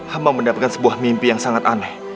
hama mendapatkan sebuah mimpi yang sangat aneh